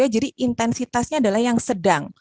jadi intensitasnya adalah yang sedang